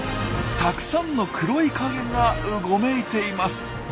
たくさんの黒い影がうごめいています。